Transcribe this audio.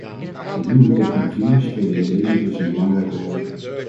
De nieuwe technologieën spelen in dezen dus een belangrijke rol.